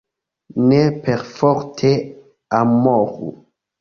Ne perforte amoru!